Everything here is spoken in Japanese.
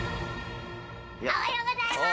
おはようございます！